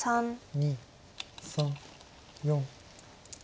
２３４。